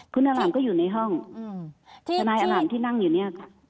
คุณอล่ามก็อยู่ในห้องทนายอล่ามที่นั่งอยู่เนี่ยค่ะ